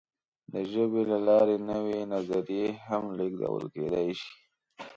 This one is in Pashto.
د ژبې له لارې نوې نظریې هم لېږدول کېدی شي.